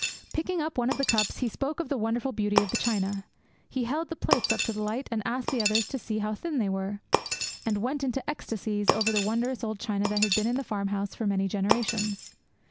Picking up one of the cups, he spoke of the wonderful beauty of the china. He held the plates up to the light and asked the others to see how thin they were, and went into ecstasies over the wondrous old china that had been in the farm house for many generations.